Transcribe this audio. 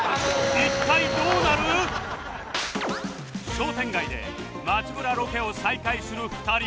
商店街で街ブラロケを再開する２人